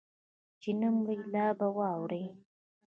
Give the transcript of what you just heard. چې نه مرې لا به واورې